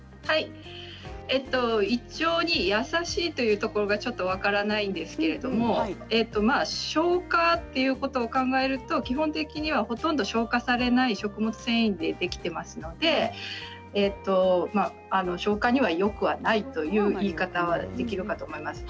胃腸に優しいというところは分からないんですけれども消化ということを考えると基本的にはほとんど消化されない食物繊維でできていますので消化にはよくないという言い方ができるかと思います。